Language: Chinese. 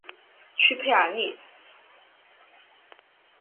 屈佩尔利。